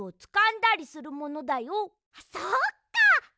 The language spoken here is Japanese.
そっか。